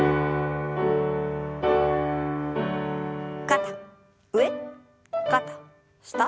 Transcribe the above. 肩上肩下。